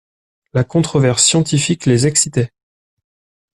La controverse scientifique les excitait.